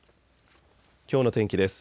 きょうの天気です。